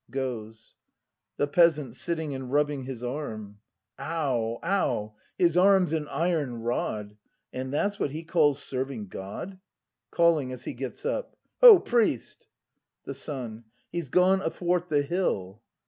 [Goes. The Peasant. [Sitting and rubbing his arm.] Ow, ow; his arm's an iron rod; And that's what he calls serving God! [Calling as he gets up.] Ho, priest! The Son. He 's gone athwart the hill.